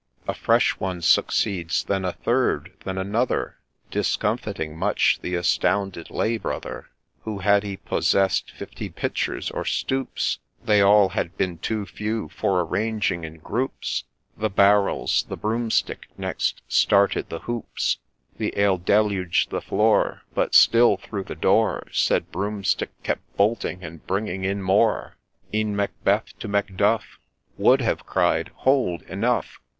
A fresh one succeeds, then a third, then another, Discomfiting much the astounded Lay brother ; Who, had he possess'd fifty pitchers or stoups, They all had been too few ; for, arranging in groups The barrels, the Broomstick next started the hoops : The ale deluged the floor, But, still, through the door, Said Broomstick kept bolting, and bringing in more. E'en Macbeth to Macdufi Would have cried ' Hold ! enough